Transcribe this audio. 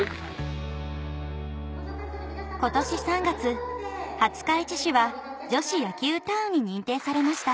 今年３月廿日市市は女子野球タウンに認定されました